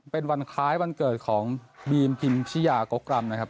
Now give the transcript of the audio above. เป็นวันคล้ายวันเกิดของบีมพิมพิยากกรำนะครับ